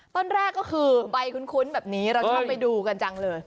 ต้นแรกก็คือใบคุ้นแบบนี้เราชอบไปดูกันจังเลย